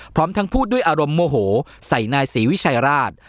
พร้อมทั้งพูดด้วยอารมณ์โมโหใส่นายศรีวิชัยราช